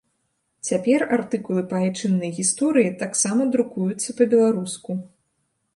Цяпер артыкулы па айчыннай гісторыі таксама друкуюцца па-беларуску.